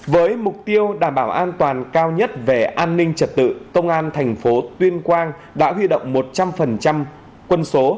với mục tiêu đảm bảo an toàn cao nhất về an ninh trật tự công an thành phố tuyên quang đã huy động một trăm linh quân số